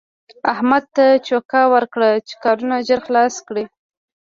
احمد ته چوکه ورکړه چې کارونه ژر خلاص کړي.